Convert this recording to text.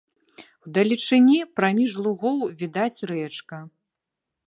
Удалечыні, праміж лугоў, відаць рэчка.